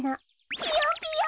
ぴよぴよ！